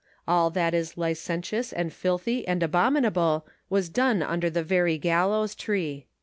All ^that is li centious and filthy and abominable, was done under the very gallows tree."